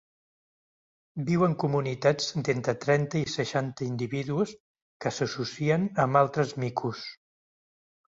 Viu en comunitats d'entre trenta i seixanta individus que s'associen amb altres micos.